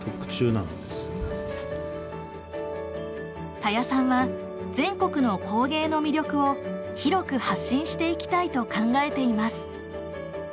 田谷さんは全国の工芸の魅力を広く発信していきたいと考えています。